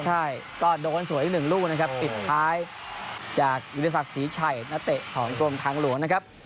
ใช่ก็โดนส่วนอีก๑ลูกนะครับปิดท้ายจากวิทยาศาสตร์สีชัยนาเตะของกลุ่มทางหลวงนะครับ